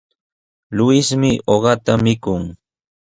Luismi uqata mikun.